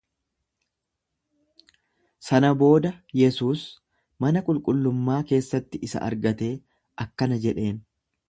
Sana booda Yesuus mana qulqullummaa keessatti isa argatee akkana jedheen.